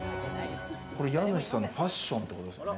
これ家主さんのファッションってことですかね？